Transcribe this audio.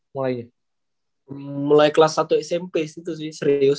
mulai kelas satu smp itu sih serius